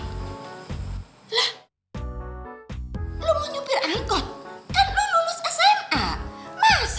lo mau nyupir angkut kan lu lulus smm